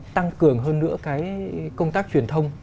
tăng cường hơn nữa cái công tác truyền thông